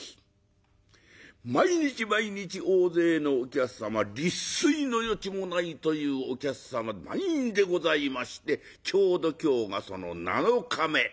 毎日毎日大勢のお客様立錐の余地もないというお客様満員でございましてちょうど今日がその７日目。